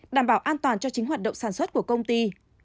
đảm bảo an toàn cho chính hoạt động sản xuất của công ty